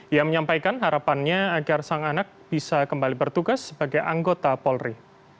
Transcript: ia menyampaikan harapannya agar sang anak bisa kembali bertugas sebagai anggota polri